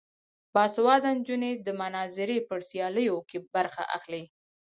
باسواده نجونې د مناظرې په سیالیو کې برخه اخلي.